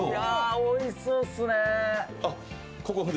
おいしそうっすね。